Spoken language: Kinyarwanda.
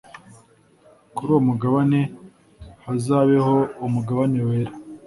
Kuri uwo mugabane hazabeho umugabane wera